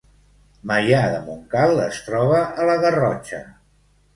Maià de Montcal es troba a la Garrotxa